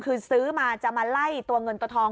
คือซื้อมาจะมาไล่ตัวเงินตัวทอง